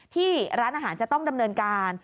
ที่ร้านอาหารจะต้องดำเนินการ